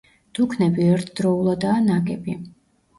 დუქნები ერთდროულადაა ნაგები.